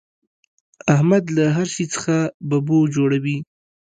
احمد له هر شي څخه ببو جوړوي.